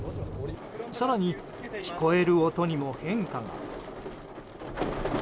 更に、聞こえる音にも変化が。